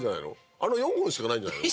あの４本しかないんじゃないの？